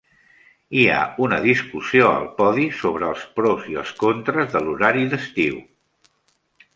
Hi ha una discussió al podi sobre els pros i els contres de l'horari d'estiu.